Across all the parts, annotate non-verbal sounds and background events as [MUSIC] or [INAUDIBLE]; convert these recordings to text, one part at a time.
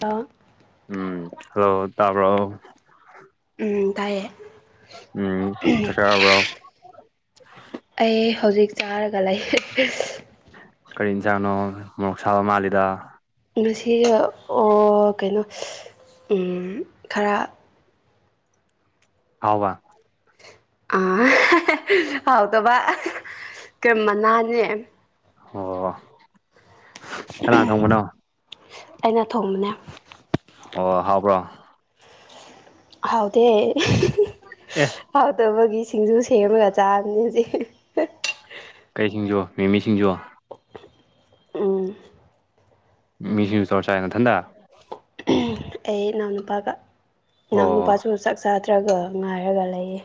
ꯇ ꯎꯝ ꯍꯜꯂꯣ ꯇꯥꯕ꯭ꯔꯣ ꯎꯝ ꯇꯥꯏꯌꯦ ꯎꯝ ꯆꯁꯔꯕ꯭ꯔꯣ ꯑꯩ ꯍꯧꯖꯤꯛ ꯆꯥꯔꯒ ꯂꯩ ꯀꯔꯤ ꯏꯆꯥꯥꯅꯣ ꯃꯣꯔꯣꯛ ꯁꯥꯕ ꯃꯥꯜꯂꯤꯗ ꯉꯁꯤ ꯑꯣ ꯀꯩꯅꯣ ꯈꯔ ꯐꯥꯎꯕ ꯑ ꯍꯥꯎꯗꯕ ꯀ ꯃꯅꯥꯅꯦ ꯑꯣ ꯀꯅꯥꯥꯟ ꯊꯣꯡꯕꯅꯣ ꯑꯩꯅ ꯊꯣꯡꯕꯅꯦ ꯑꯣ ꯍꯥꯎꯕ꯭ꯔꯣ ꯍꯥꯎꯗꯦ ꯑꯦ ꯍꯥꯎꯗꯕꯒꯤ ꯁꯤꯡꯖꯨ ꯁꯦꯝꯃꯒ ꯆꯥꯕꯅꯦꯁꯦ ꯀꯩꯁꯤꯡꯖꯣ ꯃꯃꯤꯁꯤꯡꯖꯣ ꯎꯝ ꯃꯤꯁꯤꯡꯁꯨ ꯆꯣꯔ ꯆꯥꯅꯊꯟꯇ ꯑꯩ ꯏꯅꯥꯎꯅꯨꯄꯥꯒ ꯑꯣ ꯏꯅꯥꯎꯅꯨꯄꯥꯁꯨ ꯆꯥꯛ ꯆꯥꯗ꯭ꯔꯒ ꯉꯥꯏꯔꯒ ꯂꯩꯌꯦ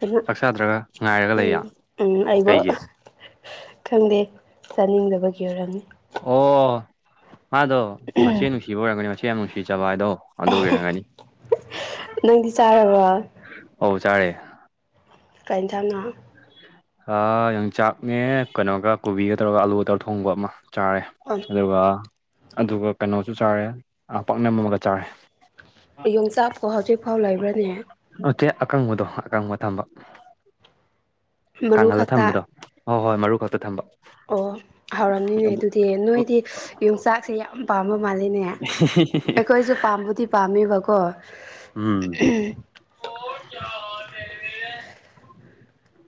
ꯑꯗꯨꯩꯅ ꯆꯥꯛ ꯆꯥꯗ꯭ꯔꯒ ꯉꯥꯏꯔꯒ ꯂꯩꯌꯦ ꯎ ꯎ ꯑꯩꯕ ꯀꯩꯒꯤ ꯈꯪꯗꯦ ꯆꯥꯅꯤꯡꯗꯕꯒꯤ ꯑꯣꯏꯔꯝꯅꯤ ꯑꯣ ꯃꯥꯗꯣ ꯎꯝ ꯃꯆꯦ ꯅꯨꯡꯁꯤꯕ ꯑꯣꯏꯔꯝꯒꯅꯤ ꯃꯆꯦ ꯌꯥꯝ ꯅꯨꯡꯁꯤꯖꯕ ꯍꯥꯏꯗꯣ ꯑꯗꯨꯒꯤ ꯑꯣꯏꯔꯝꯒꯅꯤ ꯅꯪꯗꯤ ꯆꯥꯔꯕ ꯍꯧ ꯆꯥꯔꯦ ꯀ ꯀꯥꯏꯅ ꯊꯪꯅ ꯑ ꯌꯥꯝꯡ ꯆꯥꯛꯅꯦ ꯀꯩꯅꯣꯒ ꯀꯣꯕꯤꯒ ꯇꯧꯔꯒ ꯑꯂꯨꯒ ꯇꯧꯔꯒ ꯊꯣꯡꯕ ꯑꯃ ꯆꯥꯔꯦ ꯑꯣ ꯑꯗꯨꯒ ꯑꯗꯨꯒ ꯀꯩꯅꯣꯁꯨ ꯆꯥꯔꯦ ꯄꯥꯛꯅꯝ ꯑꯃꯒ ꯆꯥꯔꯦ ꯌꯣꯡꯆꯥꯛꯀꯣ ꯍꯧꯖꯤꯛ ꯐꯥꯎ ꯂꯩꯕ꯭ꯔꯅꯦ ꯑꯣꯆꯦ ꯑꯀꯪꯕꯗꯣ ꯑꯀꯪꯕ ꯊꯝꯕ ꯀ ꯃꯔꯨ ꯀꯥꯡꯍꯜꯂ ꯈꯛꯇ ꯊꯝꯕꯗꯣ ꯍꯣꯏ ꯍꯣꯏ ꯃꯔꯨ ꯈꯛꯇ ꯊꯝꯕ ꯑꯣ ꯍꯧꯥꯎꯔꯝꯅꯤꯅꯦ ꯑꯗꯨ ꯑꯗꯨꯗꯤ ꯅꯣꯏꯗꯤ ꯌꯣꯡꯆꯥꯛꯁꯦ ꯌꯥꯝ ꯄꯥꯝꯕ ꯃꯥꯜꯂꯤꯦꯅꯦ ꯍ ꯑꯩꯈꯣꯏꯁꯨ ꯄꯥꯝꯕꯨꯗꯤ ꯄꯥꯝꯃꯤꯕꯀꯣ ꯎꯝ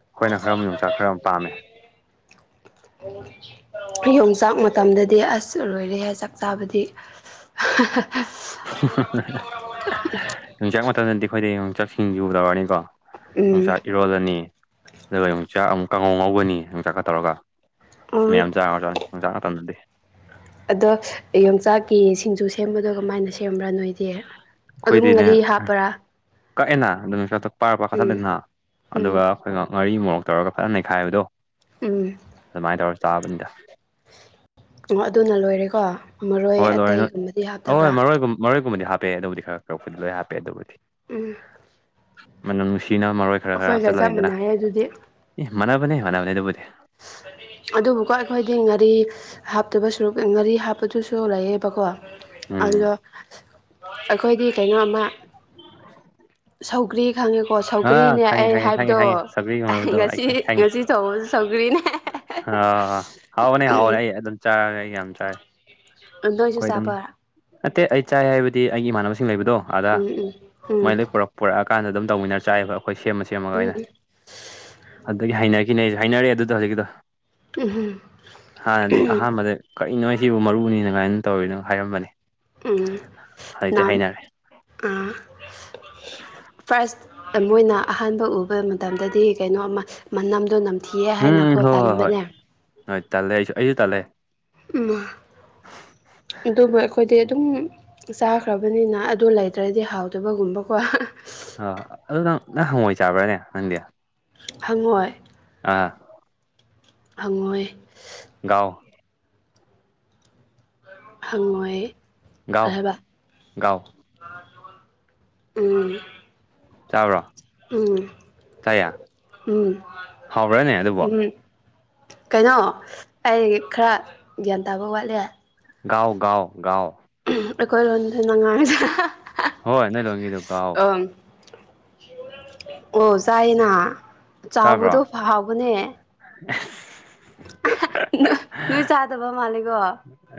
ꯑꯩꯈꯣꯏꯅ ꯈꯔ ꯑꯃ ꯌꯣꯡꯆꯥꯛ ꯈꯔ ꯑꯃ ꯄꯥꯝꯃꯦ ꯌꯣꯡꯆꯥꯛ ꯃꯇꯝꯗꯗꯤ ꯑꯁ ꯂꯣꯏꯔꯦ ꯍꯥꯏ ꯆꯥꯛ ꯆꯥꯕꯗꯤ [UNINTELLIGIBLE] ꯣꯡꯆꯥꯛ ꯃꯇꯝꯗꯗꯤ ꯑꯩꯈꯣꯏꯗꯤꯣꯡꯆꯥꯛ ꯁꯤꯡꯖꯨꯗꯧꯔꯅꯤꯀꯣ ꯎꯝ ꯌꯅꯨꯡꯆꯥꯛ ꯏꯔꯣꯜꯂꯅꯤ ꯑꯗꯨꯒ ꯌꯅꯨꯡꯆꯥꯛ ꯑꯃꯨꯛ ꯀꯥꯡꯉꯧ ꯉꯧꯒꯅꯤ ꯅꯨꯡꯆꯥꯛꯀ ꯇꯧꯔꯒ ꯑ ꯑꯣ ꯃꯌꯥꯝ ꯆꯥꯉ ꯆ ꯆꯥꯡꯥꯛ ꯃꯇꯝꯗꯗꯤ ꯑꯗꯣ ꯌꯣꯡꯆꯥꯛꯀꯤ ꯁꯤꯡꯖꯨ ꯁꯦꯝꯕꯗꯣ ꯀꯃꯥꯏꯅ ꯁꯦꯝꯕ꯭ꯔꯥ ꯅꯣꯏꯗꯤ ꯑꯗꯨꯝ ꯑꯩꯈꯣꯏꯗꯤꯅꯦ ꯉꯥꯔꯤ ꯍꯥꯞꯄ꯭ꯔꯥ ꯀꯛꯑꯦꯅ ꯑꯗꯨꯝ ꯄꯥꯔ ꯄ ꯎꯝ ꯀꯛꯊꯠꯂꯦꯅ ꯎꯝ ꯑꯗꯨꯒ ꯑꯩꯈꯣꯏ ꯉ ꯉꯥꯔꯤ ꯃꯣꯔꯣꯛ ꯇꯧꯔꯒ ꯐꯖ ꯅꯩꯈꯥꯏꯕꯗꯣ ꯎꯝ ꯑꯗꯨꯃꯥꯏꯅ ꯇꯧꯔ ꯇꯥꯕꯅꯤꯗ ꯑꯣ ꯑꯗꯨꯅ ꯂꯣꯏꯔꯦꯀꯣ ꯃꯔꯣꯏ ꯍꯣꯏ ꯂꯣꯏꯔꯦ ꯅꯣꯏ ꯑꯇꯩꯒꯨꯝꯕꯗꯤ ꯑꯍꯣꯏ ꯍꯥꯞꯇꯕ꯭ꯔꯥ ꯃꯔꯣꯏꯒꯨꯝ ꯃꯔꯣꯏꯒꯨꯝꯕꯗꯤ ꯍꯥꯞꯄꯦ ꯑꯗꯨꯕꯨꯗꯤ ꯈꯔ ꯈꯔ ꯐꯨꯟ ꯂꯣꯏ ꯍꯥꯞꯄꯦ ꯑꯗꯨꯕꯨꯗꯤ ꯎꯝ ꯃꯅꯝ ꯅꯨꯡꯁꯤꯅꯕ ꯃꯔꯣꯏ ꯈꯔ ꯈꯔ ꯑꯩꯈꯣꯏꯒ ꯆꯞ ꯍꯥꯞꯆꯜꯂꯅꯤꯗꯅ ꯃꯥꯟꯅꯩ ꯑꯗꯨꯗꯤ ꯑꯦ ꯃꯥꯟꯅꯕꯅꯦ ꯃꯥꯟꯅꯕꯅꯦ ꯑꯗꯨꯕꯨꯗꯤ ꯑꯗꯨꯕꯨꯀꯣ ꯑꯩꯈꯣꯏꯗꯤ ꯉꯥꯔꯤ ꯍꯥꯞꯇꯕ ꯁꯨ ꯉꯥꯔꯤ ꯍꯥꯞꯄꯗꯨꯁꯨ ꯂꯩꯌꯦꯕꯀꯣ ꯎꯝ ꯑꯗꯣ ꯑꯩꯈꯣꯏꯗꯤ ꯀꯩꯅꯣ ꯑꯃ ꯁꯧꯒ꯭ꯔꯤ ꯈꯪꯉꯦꯀꯣ ꯑꯥ ꯁꯧꯒ꯭ꯔꯤꯅꯦ ꯈꯪꯉꯦ ꯑꯩ ꯈꯪꯉꯦ ꯈꯪꯉꯦ ꯍꯥꯏꯕꯗꯣ ꯈꯪꯉꯦ ꯁꯧꯒ꯭ꯔꯤꯒꯤ ꯉꯁꯤ ꯉꯁꯤ ꯊꯧꯕꯁꯨ ꯁꯧꯒ꯭ꯔꯤꯅꯦ ꯍꯥ ꯍꯥꯎꯕꯅꯦ ꯍꯥꯕꯎꯅꯦ ꯑꯩ ꯑꯗꯨꯝ ꯆꯥꯒ ꯑꯩ ꯌꯥꯝ ꯆꯥꯏ ꯅꯣꯏꯁꯨ ꯑꯩꯈꯣꯏ ꯑꯗꯨꯝ ꯆꯥꯕ ꯅꯠꯇꯦ ꯑꯩ ꯆꯥꯏ ꯍꯥꯏꯕꯗꯤ ꯑꯩꯒꯤ ꯏꯃꯥꯟꯅꯕꯁꯤꯡ ꯂꯩꯕꯗꯣ ꯑꯥꯗꯥ ꯎꯝ ꯎꯝ ꯃꯣꯏ ꯂꯣꯏ ꯄꯨꯔꯛ ꯄꯨꯔꯛꯑꯀꯥꯟꯗ ꯑꯗꯨꯝ ꯇꯧꯃꯤꯟꯅꯔ ꯆꯥꯏꯌꯦꯕ ꯑꯩꯈꯣꯏ ꯁꯦꯝꯃ ꯁꯦꯝꯃꯒ ꯎꯝ ꯎꯝ ꯑꯣꯏꯅ ꯑꯗꯨꯒꯤ ꯍꯥꯏꯅꯒꯤꯅꯦ ꯑꯩꯖꯨ ꯍꯥꯏꯅꯔꯦ ꯑꯗꯨꯗꯣ ꯍꯧꯖꯤꯀꯤꯛꯇꯣ ꯎꯝ ꯎꯝ ꯎꯝ ꯍꯥꯟꯅꯗꯤ ꯑꯍꯥꯟꯕꯗ ꯀꯔꯤꯅꯣꯍꯦ ꯁꯤꯕꯨ ꯃꯔꯨꯅꯤꯅ ꯒꯥꯏꯅ ꯇꯧꯔꯤꯅꯣ ꯍꯥꯏꯔꯝꯕꯅꯦ ꯎꯝ ꯅꯝ ꯎꯝ ꯐꯥꯔꯁ ꯃꯣꯏꯅ ꯑꯍꯥꯟꯕ ꯎꯕ ꯃꯇꯝꯗꯗꯤ ꯀꯩꯅꯣ ꯑꯃ ꯃꯅꯝꯗꯣ ꯅꯝ ꯊꯤꯌꯦ ꯎꯝ ꯍꯥꯏꯅꯀꯣ ꯍꯣꯏ ꯍꯣꯏ ꯍꯣꯏ ꯇꯟꯕꯅꯦ ꯍꯣꯏ ꯇꯥꯜꯂꯦ ꯑꯩꯁꯨ ꯑꯩꯖꯨ ꯇꯜꯂꯦ ꯎꯝ ꯑꯗꯨꯕꯨ ꯑꯩꯈꯣꯏꯗꯤ ꯑꯗꯨꯝ ꯆꯥꯈ꯭ꯔꯥꯕꯅꯤꯅ ꯑꯗꯨ ꯂꯩꯇ꯭ꯔꯥꯗꯤ ꯍꯥꯎꯇꯕꯒꯨꯝꯕꯀꯣ ꯑꯥ ꯑꯗꯨ ꯅꯪ ꯅꯪ ꯍꯪꯉꯣꯏ ꯆꯥꯕ꯭ꯔꯥꯅꯦ ꯅꯪꯗꯤ ꯍꯪꯉꯣꯏ ꯑꯥ ꯍꯪꯉꯣꯏ ꯒꯥꯎ ꯍꯪꯉꯣꯏ ꯒꯥꯎ ꯀꯩ ꯍꯥꯏꯕ ꯒꯥꯎ [INAUDIBLE] ꯎꯝ ꯆꯥꯕ꯭ꯔꯣ ꯎꯝ ꯆꯥꯌꯦ ꯎꯝ ꯍꯥꯎꯕ꯭ꯔꯥꯅꯦ ꯑꯗꯨꯕꯨ ꯎꯝ ꯀꯩꯅꯣ ꯑꯩ ꯈꯔ ꯒ꯭ꯌꯥꯟ ꯇꯥꯕ ꯋꯥꯠꯂꯦ ꯒꯥꯎ ꯒꯥꯎ ꯒꯥꯎ ꯎꯝ ꯑꯩꯈꯣꯏ ꯂꯣꯟꯗ ꯅꯪ ꯉꯥꯡꯉꯤꯁꯦ ꯍꯣꯏ ꯅꯣꯏ ꯂꯣꯟꯒꯤꯗꯣ ꯒꯥꯎ ꯑꯥꯝ ꯑꯣ ꯆꯥꯌꯦꯅ ꯆꯥꯕ꯭ꯔꯣ ꯆꯥꯎꯕꯗꯣ ꯐꯥ ꯍꯥꯎꯕꯅꯦ ꯑꯁ ꯅꯣꯏ ꯅꯣꯏ ꯆꯥꯗꯕ ꯃꯥꯂꯦꯒꯣ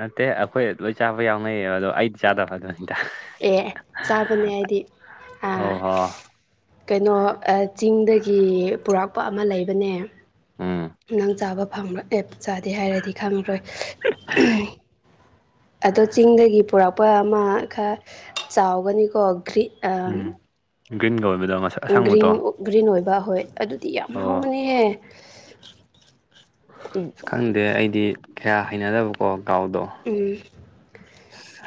ꯅꯠꯇꯦ ꯑꯩꯈꯣꯏ ꯂꯣꯏ ꯆꯥꯕ ꯌꯥꯎꯅꯩꯌꯦꯕ ꯑꯗꯣ ꯑꯩꯗꯤ ꯆꯥꯗꯕ ꯑꯗꯨ ꯑꯦ ꯆꯥꯕꯅꯦ ꯍꯥꯏꯗꯤ ꯑꯣ ꯑꯥ ꯍꯣ ꯀꯩꯅꯣ ꯑꯥꯠ ꯆꯤꯡꯗꯒꯤ ꯄꯨꯔꯛꯄ ꯑꯃ ꯂꯩꯕꯅꯦ ꯎꯝ ꯅꯪ ꯆꯥꯕ ꯐꯪꯕ꯭ꯔꯥ ꯑꯦꯞ ꯆꯥꯗꯦ ꯍꯥꯏꯔꯗꯤ ꯈꯪꯉꯔꯣꯏ [UNINTELLIGIBLE] ꯑꯗꯣ ꯆꯤꯡꯗꯒꯤ ꯄꯨꯔꯛꯄ ꯑꯃ ꯈꯔ ꯆꯥꯎꯒꯅꯤꯀꯣ ꯒ꯭ꯔꯤꯠ ꯎꯝ ꯒꯔꯤꯟꯒ ꯑꯣꯏꯕꯗꯣ ꯉꯁꯥꯏ ꯑꯁꯪꯕꯗꯣ ꯒ꯭ꯔꯤꯟ ꯒ꯭ꯔꯤꯟ ꯑꯣꯏꯕ ꯍꯣꯏ ꯑꯗꯨ ꯇꯤ ꯌꯥꯝ ꯑꯣ ꯍꯥꯎꯕꯅꯤꯍꯦ ꯑꯁ ꯈꯪꯗꯦ ꯑꯩꯗꯤ ꯀꯌꯥ ꯍꯩꯅꯗꯕꯀꯣ ꯒꯥꯎꯗꯣ ꯎꯝ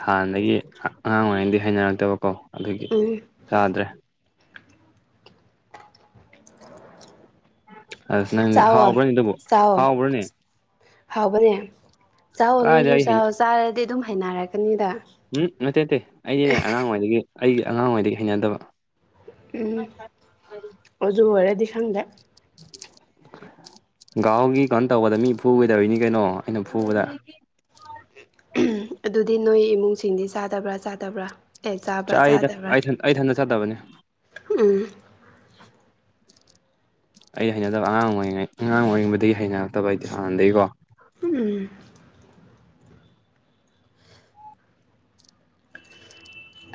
ꯍꯥꯟꯅꯗꯒꯤ ꯑꯉꯥꯡ ꯑꯣꯏꯔꯤꯉꯩꯗꯤ ꯍꯩꯅꯔꯛꯇꯕꯀꯣ ꯑꯗꯨꯒꯤ ꯎꯝ ꯌꯥꯥꯗ꯭ꯔꯦ ꯑꯁ ꯅꯪ ꯆꯥꯎꯋꯣ ꯍꯥꯎꯕ꯭ꯔꯅꯦ ꯑꯗꯨꯕꯨ ꯆꯥꯎꯋꯣ ꯍꯥꯎꯕ꯭ꯔꯅꯦ ꯍꯥꯎꯕꯅꯦ ꯆꯥꯛꯑꯣ ꯀꯥꯏꯗ ꯅꯣꯏꯁꯨ ꯑꯩ ꯍꯩ ꯆꯥꯛꯑꯣ ꯆꯥꯔꯗꯤ ꯑꯗꯨꯝ ꯍꯩꯅꯔꯛꯀꯅꯤꯗ ꯎꯝ ꯅꯠꯇꯦ ꯅꯇꯩ ꯑꯩꯗꯤꯅꯦ ꯑꯉꯥꯡꯉꯩꯗꯒꯤ ꯑꯩꯒꯤ ꯑꯉꯥꯡꯉꯩꯗꯒꯤ ꯍꯩꯅꯗꯕ ꯑꯣꯖꯨ ꯑꯣꯏꯔꯗꯤ ꯈꯪꯗꯦ ꯒꯥꯎꯒꯤ ꯀꯩꯅꯣ ꯇꯧꯕꯗ ꯃꯤ ꯐꯨꯒꯗꯧꯔꯤꯅꯤ ꯀꯩꯅꯣ ꯑꯩꯅ ꯐꯨꯕꯗ ꯑꯗꯨꯗꯤ ꯅꯣꯏ ꯏꯃꯨꯡꯁꯤꯡꯗꯤ ꯆꯥꯗꯕ꯭ꯔꯥ ꯆꯥꯗꯕ꯭ꯔꯥ ꯑꯦ ꯆꯥꯕ꯭ꯔꯥ ꯆꯥꯏꯗ ꯆꯥꯗꯕ꯭ꯔꯥ ꯑꯩ ꯑꯩ ꯊꯟꯗ ꯆꯠꯇꯕꯅꯦ ꯎꯝ ꯑꯩꯗꯤ ꯍꯩꯅꯗꯕ ꯑꯉꯥꯡ ꯑꯣꯏꯔꯤꯉꯩ ꯑꯉꯥꯡ ꯑꯣꯏꯔꯤꯩꯗꯒꯤ ꯍꯩꯅꯔꯛꯇꯕ ꯑꯩꯗꯤ ꯍꯥꯟꯅꯗꯒꯤꯀꯣ ꯎꯝ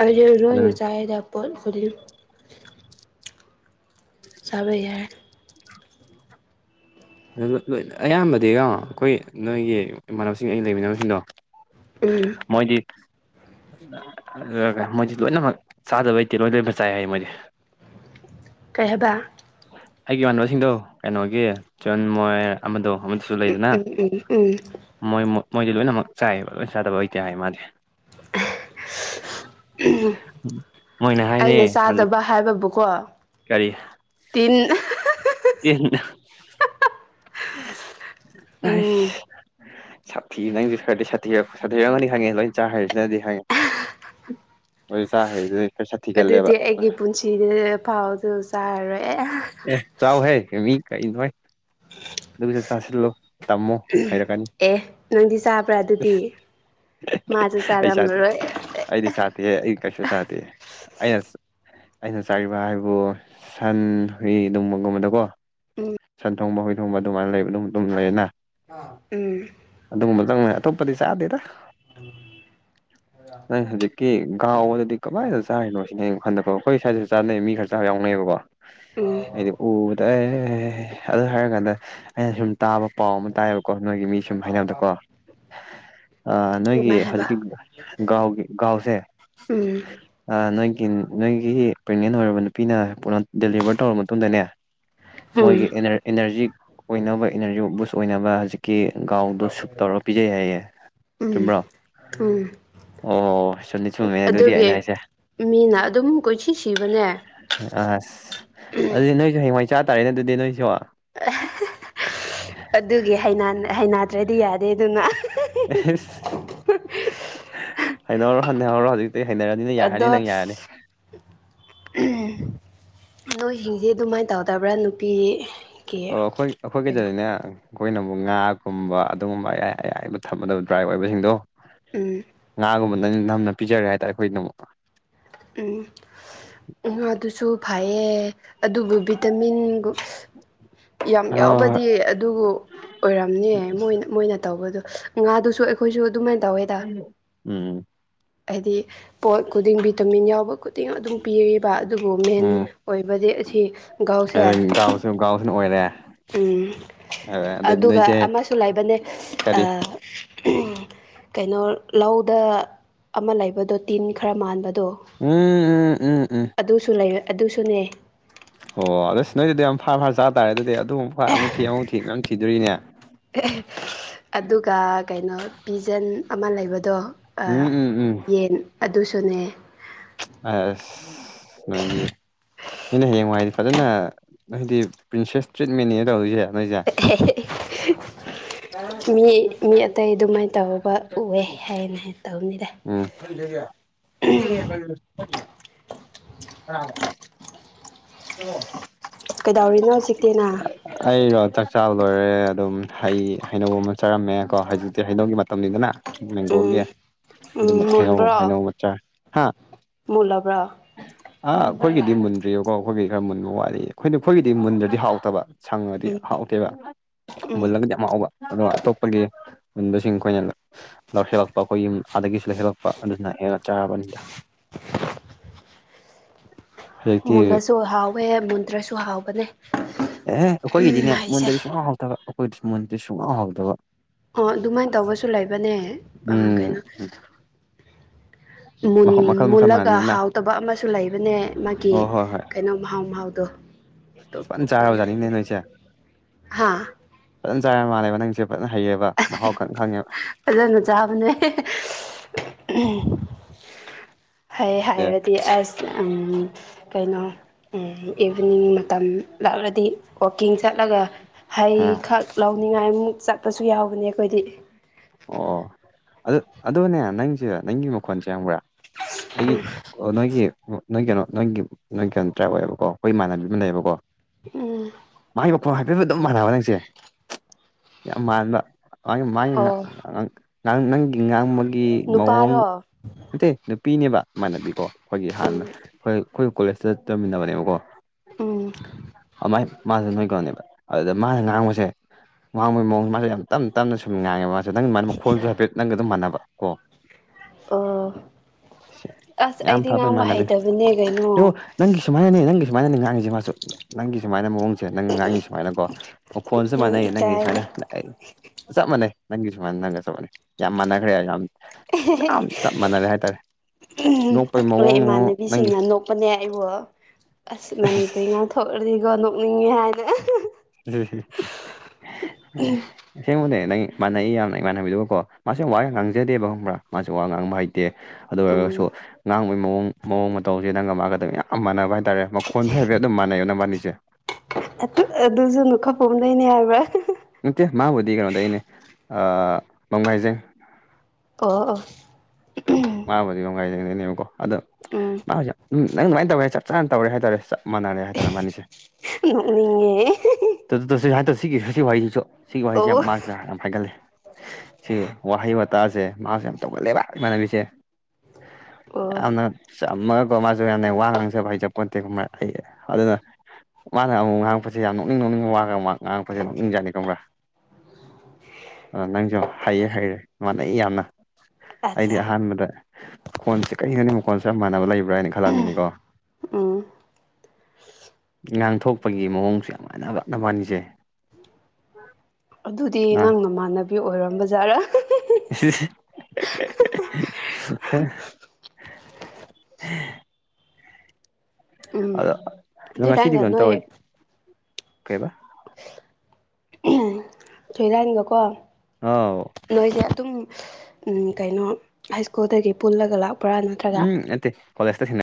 ꯑꯗꯤ ꯑꯗꯨꯅ ꯔꯣꯑꯅ ꯆꯥꯗ ꯄꯣꯠ ꯐꯂꯤ ꯆ ꯌꯥꯏ ꯑꯗꯨꯣꯏ ꯑꯌꯥꯝꯕꯗꯤꯀꯣ ꯑꯩꯈꯣꯏ ꯅꯣꯏꯒꯤ ꯏꯃꯥꯟꯅꯕꯁꯤꯡ ꯑꯩ ꯂꯩꯃꯤꯟꯅꯕꯁꯤꯡꯗꯣ ꯎꯝ ꯃꯣꯏꯗꯤ ꯃꯣꯏꯗꯤ ꯂꯣꯏꯅꯃꯛ ꯆꯥꯗꯕꯩꯇꯦ ꯂꯣꯏ ꯂꯣꯏꯃꯛ ꯆꯥꯏ ꯍꯥꯏ ꯃꯣꯏꯗꯤ ꯀꯩ ꯍꯥꯏꯕ ꯑꯩꯒꯤ ꯏꯃꯥꯟꯅꯕꯁꯤꯡꯗꯣ ꯀꯩꯅꯣꯒꯤ ꯆꯟ ꯃꯣꯏꯔ ꯑꯃꯗꯣ ꯑꯃ ꯎꯝ ꯎꯝ ꯎꯝ ꯎꯝ ꯃꯣꯏ ꯃꯣꯏꯗꯤ ꯂꯣꯏꯅꯃꯛ ꯆꯥꯏꯑꯕ ꯂꯣꯏꯅ ꯆꯥꯗꯕ ꯑꯣꯏꯇ ꯍꯥꯏ ꯃꯥꯗꯤ ꯃꯣꯏꯅ ꯍꯥꯏꯅꯦ ꯑꯩꯅ ꯍꯧꯖꯤꯛ ꯆꯥꯗꯕ ꯍꯥꯏꯕꯕꯨꯀꯣ ꯀꯒꯥꯔꯤ ꯇꯤꯟ ꯏꯟꯅ ꯑꯥꯏ ꯎꯝ ꯁꯥꯊꯤ ꯅꯪꯗꯤ ꯈꯔꯗꯤ ꯁꯥꯊꯤꯔ ꯁꯥꯊꯤꯔ ꯑꯅꯤ ꯍꯪꯉꯦ ꯂꯣꯏꯅ ꯆꯥꯛ ꯍꯥꯏꯔꯤꯁꯤꯅꯗꯤ ꯍꯪꯉꯦ ꯩꯁꯥ ꯍꯥꯏ ꯑꯗꯨ ꯑꯗꯨꯗꯤ ꯑꯩꯒꯤ ꯄꯨꯟꯁꯤꯗ ꯐꯥꯎꯗ ꯆꯥꯔꯣꯏꯦ ꯑꯦ ꯆꯥꯎꯥꯎ ꯍꯦ ꯀ ꯏꯚꯥꯏ ꯑꯗꯨꯒꯤꯁꯠ ꯆꯥꯁꯤꯜꯂꯣ ꯇꯝꯃꯣ ꯍꯥꯏꯔꯛꯀꯅꯤ ꯑꯦ ꯅꯪꯗꯤ ꯆꯥꯕ꯭ꯔꯥ ꯑꯗꯨꯗꯤ ꯃꯥꯁꯨ ꯑꯩ ꯁꯥꯇ ꯆꯥꯔꯝꯂꯔꯣꯏ ꯑꯩꯗꯤ ꯁꯥꯇ ꯍ ꯑꯩ ꯀꯁꯨ ꯁꯥꯇ ꯑ ꯑꯩꯅ ꯆꯥꯔꯤꯕ ꯍꯥꯏꯕꯨ ꯁꯟ ꯍꯨꯏ ꯑꯗꯨꯒꯨꯝꯕꯒꯨꯝꯕꯗꯀꯣ ꯎꯝ ꯁꯟ ꯊꯣꯡꯕ ꯍꯨꯏ ꯊꯣꯡꯕ ꯑꯗꯨꯃꯥꯏꯅ ꯂꯩꯕ ꯑꯗꯨꯝ ꯑꯗꯨꯝ ꯂꯩꯌꯦꯅ ꯑ ꯎꯝ ꯑꯗꯨꯒꯨꯝꯕꯗꯪꯅ ꯑꯇꯣꯞꯄꯗꯤ ꯆꯥꯗꯦꯗ [UNINTELLIGIBLE] ꯅꯪ ꯍꯧꯖꯤꯛꯀꯤ ꯒꯥꯎꯗꯗꯤ ꯀꯃꯏꯗ ꯆꯥꯔꯤꯅꯣ ꯁꯤꯅꯦ ꯍꯟꯗꯕ ꯑꯩꯈꯣꯏ ꯁ꯭ꯋꯥꯏꯗꯁꯨ ꯆꯥꯅꯩꯌꯦ ꯃꯤ ꯈꯔꯁꯨ ꯌꯥꯎꯅꯩꯌꯦꯕꯀꯣ ꯎꯝ ꯍꯥꯏꯗꯤ ꯎꯕꯗ ꯑꯦ ꯑꯗꯨ ꯍꯥꯏꯔ ꯀꯥꯟꯗ ꯑꯩꯅ ꯁꯨꯝ ꯇꯥꯕ ꯄꯥꯎ ꯑꯃ ꯇꯥꯏꯌꯦꯕꯀꯣ ꯅꯣꯏꯒꯤ ꯃꯤ ꯁꯨꯝ ꯍꯥꯏꯅꯕꯗꯀꯣ ꯅꯣꯏꯒꯤ ꯑꯗꯨꯃꯥꯏ ꯍꯥꯏꯕ ꯍꯧꯖꯤꯛꯀꯤ ꯒꯥꯎꯒꯤ ꯒꯥꯎꯁꯦ ꯎꯝ ꯅꯣꯏꯒꯤ ꯅꯣꯏꯒꯤ ꯄ꯭ꯔꯦꯒꯅꯦꯟ ꯑꯣꯏꯔꯕ ꯅꯨꯄꯤꯅ ꯄꯨ ꯗꯦꯂꯤꯚꯔ ꯇꯧꯔꯕ ꯃꯇꯨꯡꯗꯅꯦ ꯎꯝ ꯃꯣꯏꯒꯤ ꯏꯅꯔꯖꯤ ꯑꯣꯏꯅꯕ ꯏꯅꯔꯖꯤ ꯕꯨꯁ ꯑꯣꯏꯅꯕ ꯍꯧꯖꯤꯛꯀꯤ ꯒꯥꯎꯗꯣ ꯁꯨꯨꯞ ꯇꯧꯔꯒ ꯄꯤꯖꯩ ꯍꯥꯏꯌꯦ ꯎꯝ ꯆꯨꯝꯕ꯭ꯔꯣ ꯎꯝ ꯑꯣ ꯆꯨꯝꯃꯦ ꯑꯗꯨꯗꯤ ꯑꯗꯨꯒꯤ ꯑꯩꯅ ꯍꯥꯏꯁꯦ ꯃꯤꯅ ꯑꯗꯨꯝ ꯀꯣꯏꯁꯤ ꯁꯤꯕꯅꯦ ꯑꯁ ꯑꯗꯨꯗꯤ ꯅꯣꯏꯁꯨ ꯍꯌꯦꯋꯥꯏ ꯆꯥ ꯇꯥꯔꯦꯅꯦ ꯑꯗꯨꯗꯤ ꯅꯣꯏꯁꯨ ꯍ ꯑꯗꯨꯒꯤ ꯍꯩꯅꯥꯗ꯭ꯔꯗꯤ ꯌꯥꯗꯦ ꯑꯗꯨꯅ ꯍꯥꯏꯥꯏꯅ ꯁꯗꯦꯍ ꯍꯥꯏꯖꯤ ꯑꯗꯨꯇꯩ ꯍꯩꯅꯔꯅꯤꯅ ꯌꯥꯔꯅꯤ ꯅꯪ ꯌꯥꯔꯅꯤ ꯅꯣꯏ ꯍꯤꯡꯁ ꯑꯗꯨꯃꯥꯏꯅ ꯇꯧꯗꯕ꯭ꯔꯥ ꯅꯨꯄꯤ ꯑꯣ ꯑꯩꯈꯣꯏ ꯑꯩꯈꯣꯏ ꯀꯩꯗꯗꯤꯅꯦ ꯑꯩꯈꯣꯏꯅꯕꯨꯨꯛ ꯉꯥꯀꯨꯝꯕ ꯑꯗꯨꯒꯨꯝꯕ ꯑꯌꯥ ꯑꯌꯥꯏꯕ ꯊꯝꯃꯗꯕ ꯗ꯭ꯔꯥꯏꯕ ꯑꯣꯏꯕꯁꯤꯡꯗꯣ ꯎꯝ ꯉꯥꯒꯨꯝꯕ ꯅꯪ ꯅꯝꯅ ꯄꯤꯖꯔꯒꯦ ꯍꯥꯏꯇꯥꯔꯦ ꯑꯩꯈꯣꯏ ꯅ ꯑꯃꯨꯀ ꯎ ꯑꯗꯨꯁꯨ ꯐꯩꯌꯦ ꯑꯗꯨꯕꯨ ꯚꯤꯇꯥꯃꯤꯟꯒ ꯌꯥꯝ ꯌꯥꯎꯕꯗꯤ ꯑꯗꯨꯕꯨ ꯑꯣꯏꯔꯝꯅꯦ ꯃꯣꯏꯅ ꯇꯧꯕꯗꯣ ꯉꯥꯗꯨꯁꯨ ꯑꯩꯈꯣꯏꯁꯨ ꯑꯗꯨꯃꯥꯏꯅ ꯇꯧꯋꯦꯗ ꯎꯝ ꯍꯥꯏꯗꯤ ꯄꯣꯠ ꯈꯨꯗꯤꯡ ꯚꯤꯇꯃꯤꯟ ꯌꯥꯎ ꯑꯕ ꯈꯨꯗꯤꯡ ꯑꯗꯨꯝ ꯄꯤꯔꯤꯕ ꯑꯗꯨꯕꯨ ꯃꯦꯟ ꯎꯝ ꯑꯣꯏꯕꯗꯤ ꯑꯁꯤ ꯒꯥꯎꯁꯦ ꯁꯨꯝ ꯒꯥꯎꯁꯤꯅ ꯑꯣꯏꯔꯦ ꯎꯝ ꯑꯗꯩ ꯑꯗꯨꯒ ꯅꯣꯏꯁꯦ ꯑꯃꯁꯨ ꯂꯩꯕꯅꯦ ꯀꯔꯤ ꯀꯩꯅꯣ ꯂꯧꯗ ꯑꯃ ꯂꯩꯕꯗꯣ ꯇꯤꯟ ꯈꯔ ꯃꯥꯟꯕꯗꯣ ꯎꯝ ꯎꯝ ꯎꯝ ꯎꯝ ꯎꯝ ꯑꯗꯨꯁꯨ ꯂꯩ ꯑꯗꯨꯁꯨꯅꯦ ꯑꯣ ꯑꯗꯣ ꯁꯤ ꯅꯣꯏꯗꯨꯗꯤ ꯌꯥꯝ ꯐꯥ ꯐꯥꯔ ꯆꯥ ꯇꯔꯦ ꯑꯗꯨꯗꯤ ꯑꯗꯨꯨꯛ ꯐ ꯑꯃꯨ ꯊꯤ ꯑꯃꯨ ꯊꯤ ꯃ ꯌꯥꯝꯌꯥꯝ ꯊꯤꯗꯣꯏꯔꯤꯅꯦ ꯑꯗꯨꯒ ꯀꯩꯅꯣ ꯄꯤꯖꯟ ꯑꯃ ꯂꯩꯕꯗꯣ ꯎꯝ ꯎꯝ ꯎꯝ ꯌꯦꯟ ꯑꯗꯨꯁꯨꯅꯦ ꯑꯦꯁ ꯅꯣꯏꯗꯤ ꯅꯣꯏꯅ ꯍꯌꯦꯡꯋꯥꯏꯗꯤ ꯐꯖꯅ ꯍꯥꯏꯗꯤ ꯄ꯭ꯔꯤꯟꯁꯦꯁ ꯇ꯭ꯔꯤꯠꯃꯟꯅꯦ ꯇꯧꯣꯏꯁꯦ ꯉꯏꯖꯥ ꯃꯤ ꯃꯤ ꯑꯇꯩ ꯑꯗꯨꯃꯥꯏꯅ ꯇꯧꯕ ꯎꯑꯦ ꯍꯥꯏꯅ ꯍꯥꯏ ꯇꯧꯅꯤꯗ ꯎꯉ ꯑꯥ ꯌꯦꯣ ꯑꯁ ꯀꯩꯗꯧꯔꯤꯅꯣ ꯍꯧꯖꯤꯛꯇꯤꯅ ꯑꯩꯔꯣ ꯆꯥꯛ ꯆꯥꯕ ꯂꯣꯏꯔꯦ ꯑꯗꯨꯝ ꯍ ꯍꯩꯅꯧ ꯑꯃ ꯆꯥꯔꯝꯃꯦ ꯀꯣ ꯍꯧꯖꯤꯛꯇꯤ ꯍꯩꯅꯧꯒꯤ ꯃꯇꯝꯅꯤꯗꯅ ꯃꯦꯡꯒꯣꯒꯤ ꯎꯝ ꯎꯝ ꯑꯗꯨꯩꯅꯧ ꯃꯨꯟꯕ꯭ꯔꯣ ꯍꯥꯏꯩꯅꯧ ꯃꯆꯥ ꯍꯥ ꯃꯨꯜꯂꯕ꯭ꯔꯣ ꯑꯥ ꯑꯩꯈꯣꯏꯒꯤꯗꯤ ꯃꯨꯟꯗ꯭ꯔꯤꯑꯀꯣ ꯑꯩꯈꯣꯏꯒꯤ ꯈꯔ ꯃꯨꯟꯕ ꯋꯥꯠꯂꯤ ꯑꯩꯈꯣꯏ ꯑꯩꯈꯣꯏꯒꯤꯗꯤ ꯃꯨꯟꯗ꯭ꯔꯗꯤ ꯍꯥꯎꯇꯕ ꯁꯪꯉꯗꯤ ꯎꯝ ꯍꯥꯎꯇꯦꯕ ꯎꯝ ꯍꯃꯜꯂꯒꯗꯤ ꯑꯃ ꯍꯥꯎꯕ ꯑꯗꯣ ꯑꯇꯣꯞꯄꯒꯤ ꯍꯟꯕꯁꯤꯡ ꯑꯩꯈꯣꯏꯅ ꯂꯧꯁꯤꯜꯂꯛꯄ ꯑꯩꯈꯣꯏ ꯌꯨꯝ ꯑꯥꯗꯒꯤꯁꯨ ꯂꯧꯁꯤꯜꯂꯛꯄ ꯑꯗꯨꯅ ꯍꯦꯟꯅ ꯆꯥꯔꯕꯅꯤꯗ ꯍꯧꯖꯤꯛꯇꯤ ꯃꯨꯜꯂꯁꯨ ꯍꯥꯎꯋꯦ ꯃꯨꯟꯇ꯭ꯔꯁꯨ ꯍꯥꯎꯕꯅꯦ ꯑꯦꯍꯦ ꯑꯩꯈꯣꯏꯒꯤꯗꯤꯅꯦ ꯍꯩꯁꯦ ꯃꯨꯟꯗꯗꯤ ꯁꯨꯡ ꯉꯥꯎ ꯍꯥꯎꯗꯕ ꯑꯩꯈꯣꯏ ꯃꯨꯟꯗꯗꯤ ꯁꯨꯡ ꯉꯥꯎ ꯍꯥꯎꯗꯕ ꯑꯣ ꯑꯗꯨꯃꯥꯏꯅ ꯇꯧꯕꯁꯨ ꯂꯩꯕꯅꯦ ꯎꯝ ꯀꯩꯅꯣ ꯃꯈꯜ ꯃꯈꯜ ꯃꯈꯜ ꯃꯨꯜꯂꯒ ꯃꯥꯟꯅꯗꯦꯗꯅ ꯍꯥꯎꯇꯕ ꯑꯃꯁꯨ ꯂꯩꯕꯅꯦ ꯃꯥꯒꯤ ꯍꯣꯏ ꯍꯣꯏ ꯍꯣꯏ ꯀꯩꯅꯣ ꯃꯍꯥꯎ ꯃꯍꯥꯎꯗꯣ ꯇꯣꯞ ꯐꯖꯅ ꯇꯣꯛꯄꯒꯤ ꯆꯥꯔꯕꯖꯥꯠꯅꯤꯅꯦ ꯂꯩꯦ ꯅꯣꯏꯁꯦ ꯍꯥ ꯐꯖꯅ ꯆꯥꯏꯔ ꯃꯥꯜꯂꯦ ꯃ ꯅꯪꯁꯦ ꯐꯖꯅ ꯍꯩꯌꯦꯕ ꯃꯍꯥꯎ ꯈꯪ ꯈꯪꯉꯦꯕ ꯐꯖꯅ ꯆꯥꯕꯅꯦ ꯍꯩ ꯑꯦ ꯍꯥꯏꯔꯗꯤ ꯑꯁ ꯀꯩꯅꯣ ꯏꯚꯤꯅꯤꯡ ꯃꯇꯝ ꯂꯥꯛꯂꯗꯤ ꯋꯥꯛꯀꯤꯡ ꯆꯠꯂꯒ ꯍꯩ ꯍꯥ ꯈꯛ ꯂꯧꯅꯤꯡꯉꯥꯏꯃꯨꯛ ꯆꯠꯄꯁꯨ ꯌꯥꯎꯒꯅꯤ ꯑꯩꯈꯣꯏꯗꯤ ꯑꯣ ꯑꯗꯨ ꯑꯗꯨꯅꯦ ꯅꯪꯁꯦ ꯅꯪꯒꯤ ꯃꯈꯣꯟꯁꯦ ꯍꯪꯕ꯭ꯔꯥ ꯑꯩꯒꯤ ꯑꯣ ꯅꯣꯏꯒꯤ ꯅꯣꯏ ꯀꯩꯅꯣ ꯅꯣꯏꯒꯤ ꯅꯣꯏ ꯀꯩꯅꯣ ꯇ꯭ꯔꯥꯏꯕ ꯑꯣꯏꯌꯦꯕꯀꯣ ꯑꯩꯈꯣꯏꯃꯥꯟꯅꯕꯤ ꯑꯃ ꯂꯩꯌꯦꯕꯀꯣ ꯎꯝ ꯃꯥꯒꯤ ꯃꯈꯣꯡ ꯍꯥꯏꯐꯦꯠꯕ ꯑꯗꯨꯝ ꯃꯥꯟꯅꯕ ꯅꯪꯁꯦ ꯌꯥꯝ ꯃꯥꯟꯕ ꯃꯥꯒꯤ ꯃꯥꯒꯤꯅ ꯑꯣ ꯪ ꯅꯪ ꯉꯥꯡ ꯒꯤ ꯃꯑꯣꯡ ꯅꯨꯄꯥꯔꯣ ꯅꯠꯇꯦ ꯅꯨꯄꯤꯅꯦꯕ ꯃꯃꯥꯟꯅꯕꯤꯀꯣ ꯑꯩꯈꯣꯏꯒꯤ ꯎꯝ ꯍꯥꯟꯅ ꯍꯣꯏ ꯑꯩꯈꯣꯏ ꯀꯣꯂꯦꯖꯇ ꯆꯠ ꯆꯃꯤꯟꯅꯕꯅꯦꯕꯀꯣ ꯎꯝ ꯑꯗꯨꯃꯥꯏ ꯃꯥꯁꯨ ꯅꯣꯏꯒꯧꯅꯦꯕ ꯑꯗꯨꯗ ꯃꯥꯅ ꯉꯥꯡꯕꯁꯦ ꯃꯥꯡꯕꯩ ꯃꯑꯣꯡꯁ ꯃꯥꯁꯦ ꯌꯥꯝ ꯇꯞ ꯇꯞꯅ ꯁꯨꯝ ꯉꯥꯡꯉꯦꯕ ꯃꯥꯁꯦ ꯅꯪ ꯃꯈꯣꯜꯁꯨ ꯍꯥꯏꯐꯦꯠ ꯅꯪꯒ ꯑꯗꯨꯝ ꯃꯥꯟꯅꯕ ꯀꯣ ꯑꯣ ꯑꯁ ꯌꯥꯝ ꯑꯩꯗꯤ ꯐꯕ ꯉꯥꯡꯕ ꯏꯃꯥꯟꯅꯕꯤꯅꯦ ꯍꯩꯇꯕꯅꯦ ꯀꯩꯅꯣ ꯑꯗꯣ ꯅꯪꯒꯤ ꯁꯨꯃꯥꯏꯅꯅꯦ ꯅꯪꯒꯤ ꯁꯨꯃꯥꯏꯅꯅꯦ ꯉꯥꯡꯉꯤꯁꯁꯤ ꯃꯥꯁꯨ ꯅꯪꯒꯤ ꯁꯨꯃꯥꯏꯅ ꯃꯑꯣꯡꯗ ꯁꯦ ꯅꯪ ꯉꯥꯡꯉꯤ ꯁꯨꯃꯥꯏꯅꯀꯣ ꯃꯈꯣꯟꯁꯨ ꯃꯥꯟꯅꯩ ꯅꯪꯒꯤ ꯏꯀꯥꯏ ꯁꯨꯃꯥꯏꯅ ꯆꯞ ꯃꯥꯟꯅꯩ ꯅꯪꯒꯤ ꯁꯨꯃꯥꯏꯅ ꯅꯪꯒ ꯆꯠꯄꯅꯦ ꯌꯥꯝ ꯃꯥꯟꯅꯈ꯭ꯔꯦ ꯌꯥꯝ ꯆ ꯆꯞ ꯃꯥꯟꯅꯔꯦ ꯍꯥꯏꯇꯥꯔꯦ ꯅꯣꯛꯄꯩ ꯑꯩꯣꯏ ꯃꯑꯣꯡ ꯅꯨꯡ ꯅꯪꯒꯤ ꯏꯃꯥꯟꯅꯕꯤꯁꯤꯡꯅ ꯅꯣꯛꯄꯅꯦ ꯑꯩꯕꯨ ꯑꯁ ꯃꯅꯤꯄꯨꯔꯤ ꯉꯥꯛ ꯊꯣꯛꯑꯁꯤꯀꯣ ꯅꯣꯛꯅꯤꯡꯉꯦ ꯍꯥꯏꯅ ꯎꯝ ꯎꯝ ꯑꯁꯦꯡꯕꯅꯦ ꯅꯪ ꯏꯃꯥꯟꯅꯩ ꯌꯥꯝꯅ ꯏꯃꯥꯟꯅꯕꯤꯗꯨꯕꯀꯣ ꯃꯥꯁꯦ ꯋꯥ ꯌꯥꯝ ꯉꯥꯡꯖꯗꯦꯕ ꯈꯪꯕ꯭ꯔꯥ ꯃꯥꯁꯦ ꯋꯥ ꯉꯥꯡꯕ ꯍꯩꯇꯦ ꯑꯗꯨ ꯎꯝ ꯑꯣꯏꯔꯒꯁꯨ ꯉꯥꯡꯕꯩ ꯃꯑꯣꯡ ꯃꯑꯣꯡ ꯃꯇꯧꯁꯦ ꯅꯪꯒ ꯃꯥꯒꯗꯕ ꯌꯥꯝ ꯃꯥꯟꯅꯕ ꯍꯥꯏ ꯇꯇꯥꯔꯦ ꯃꯈꯣꯟꯁꯨ ꯍꯥꯏꯐꯦꯠ ꯑꯗꯨꯝ ꯃꯥꯟꯅꯩꯣ ꯅꯪꯕꯥꯅꯤꯁꯦ ꯑꯗꯨꯁꯨ ꯑꯗꯨꯨ ꯈꯞꯄꯣꯝꯗꯩꯅꯦ ꯍꯥꯏꯕ꯭ꯔꯥ ꯅꯠꯇꯦ ꯃꯥꯕꯨꯗꯤ ꯀꯩꯅꯣꯗ ꯑꯩꯅꯦ ꯃꯪꯥꯏꯖꯪ ꯑꯣ ꯉꯥꯡꯕꯨꯗꯤ ꯌꯥꯝ ꯉꯥꯏꯗꯗꯅꯦꯕꯀꯣ ꯑꯗꯣ ꯎꯝ ꯃꯥꯁꯦ ꯎꯝ ꯅꯪ ꯑꯗꯨꯃꯥꯏꯅ ꯇꯧꯔꯦꯞ ꯆꯥꯅ ꯇꯧꯔꯦ ꯍꯥꯏꯇꯥꯔꯦ ꯆꯞ ꯃꯥꯟꯅꯔꯦ ꯍꯥꯏꯗꯅ ꯃꯥꯅꯤꯁꯦ ꯉ ꯑꯗꯨ ꯇꯁꯨ ꯍꯥꯏꯗꯔ ꯁꯤꯒꯤ ꯁꯤ ꯋꯥꯍꯩꯁꯤꯁꯨ ꯁꯤꯒꯤ ꯋꯥꯍꯩꯁꯤꯦ ꯑꯣ ꯌꯥꯝ ꯃꯥꯁꯨ ꯌꯥꯝ ꯍꯥꯏꯒꯠꯜꯂꯤ ꯁꯤ ꯋꯥꯍꯩ ꯋꯥꯇꯥꯁꯦ ꯃꯥꯁꯦ ꯌꯥꯝ ꯇꯧꯒꯜꯂꯦꯕ ꯏꯃꯥꯟꯅꯕꯤꯁꯦ ꯑꯣ ꯌꯥꯝꯅ ꯆꯝꯃꯒꯀꯣ ꯃꯥꯁꯨ ꯌꯥꯝꯅ ꯋꯥ ꯉꯥꯡꯖꯕ ꯍꯩꯖꯕꯄꯣꯠꯇꯦꯀ ꯑꯩ ꯑꯗꯨꯅ ꯃꯥꯅ ꯑꯃꯨꯛ ꯉꯥꯡꯛꯄꯁꯦ ꯌꯥꯝ ꯅꯣꯛꯅꯤꯡ ꯅꯣꯛꯅꯤꯡꯕ ꯋꯥꯒ ꯑꯃꯛ ꯉꯥꯡꯉꯛꯄꯁꯦ ꯅꯣꯛꯅꯤꯡꯖꯥꯠꯅꯤ ꯀꯪꯕ꯭ꯔꯥ ꯑ ꯅꯪꯁꯨ ꯍꯩꯌꯦ ꯍꯩꯔꯦ ꯏꯥꯟꯅꯩ ꯌꯥꯝꯅ ꯑꯩꯗꯤ ꯑꯠꯆꯥ ꯑꯍꯥꯟꯕꯗ ꯈꯣꯟꯁꯦ ꯀꯔꯤꯩꯅꯅꯤ ꯃꯈꯣꯟꯁꯤ ꯌꯥꯝ ꯃꯥꯟꯅꯕ ꯂꯩꯕ꯭ꯔꯥ ꯍꯥꯏꯅ ꯈꯜꯂꯝꯃꯤꯅꯤꯀꯣ ꯎꯝ ꯏ ꯉꯥꯡ ꯊꯣꯛꯄꯒꯤ ꯃꯑꯣꯡꯁꯨ ꯌꯥꯝꯃꯥꯏꯅ ꯑꯒꯛꯅꯕꯅꯤꯁꯦ ꯑꯗꯨꯗꯤ ꯑ ꯅꯪ ꯅꯃꯥꯟꯅꯕꯤ ꯑꯣꯏꯔꯝꯕ ꯖꯥꯠꯔꯥ [UNINTELLIGIBLE] ꯎꯝ ꯑꯗ ꯑꯗꯣ ꯉꯁꯤꯗꯤ ꯊꯣꯏꯔꯥꯡꯒ ꯀꯩꯅꯣ ꯅꯣꯏ ꯇꯧꯔ ꯀꯩꯕꯥ ꯁꯣꯏꯔꯅꯤꯒꯀꯣ ꯑꯥꯎ ꯅꯣꯏꯁꯦ ꯑꯗꯨꯝ ꯀꯩꯅꯣ ꯍꯥꯏ ꯁ꯭ꯀꯨꯜꯗꯒꯤ ꯄꯨꯜꯂꯒ ꯂꯥꯛꯄ ꯎꯝ ꯑꯠꯇꯦ ꯀꯂꯦꯁ ꯊꯤꯟ